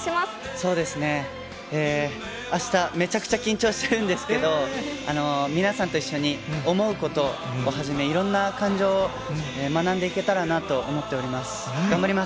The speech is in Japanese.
そうですね、あしためちゃくちゃ緊張してるんですけど、皆さんと一緒に想うことをはじめ、いろんな感情を学んでいけたらなと思っています。